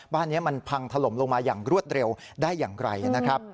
บ้านนี้มันพังถล่มลงมาอย่างรวดเร็วได้อย่างไรนะครับ